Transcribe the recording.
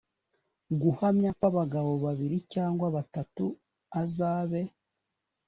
guhamya kw abagabo babiri cyangwa batatu azabe